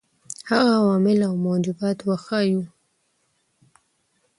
هغه عوامل او موجبات وښيیو.